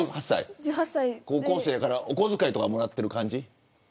高校生やからお小遣いとかもらってる感じ。